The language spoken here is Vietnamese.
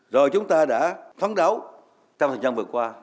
rồi chúng ta đã phán đấu trong thời gian vừa qua